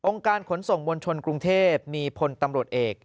องค์การขนส่งบนชนกรุงเทพฯมีผลตำรวจเอก